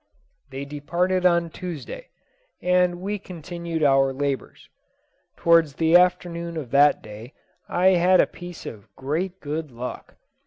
They departed on Tuesday, and we continued our labours. Towards the afternoon of that day, I had a piece of great good luck.